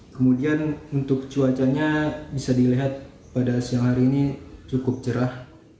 kemudian untuk cuacanya bisa dilihat pada siang hari ini cukup cerah